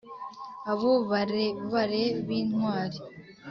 Abo barebare b`intwari